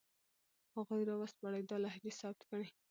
هغوی را وسپړئ، دا لهجې ثبت کړئ